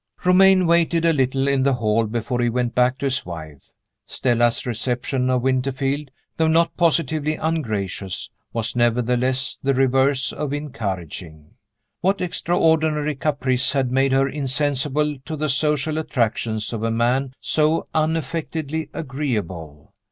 Romayne waited a little in the hall before he went back to his wife. Stella's reception of Winterfield, though not positively ungracious, was, nevertheless, the reverse of encouraging. What extraordinary caprice had made her insensible to the social attractions of a man so unaffectedly agreeable?